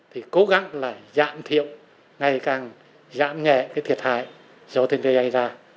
thì cố gắng là giảm thiệu ngay càng giảm nhẹ cái thiệt hại do thiên tai này ra